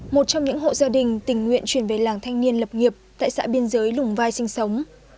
một trong những hộ gia đình tình nguyện chuyển về làng thanh niên lập nghiệp tại xã biên giới lùng vai sinh sống